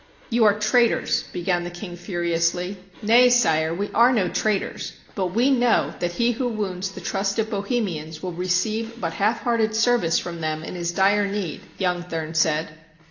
''You are traitors," began the king furiously. "Nay, sire, we are no traitors; but we know that he who wounds the trust of Bohemians will receive but half hearted service from them in his dire need," young Thurn said.